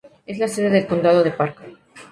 Es la sede del condado de Park.